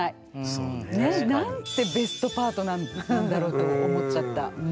そうね。なんてベストパートナーなんだろうと思っちゃった。